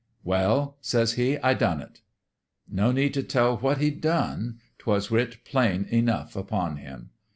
"' Well,' says he, ' I done it !'" No need t* tell what he'd done : 'twas writ plain enough upon him.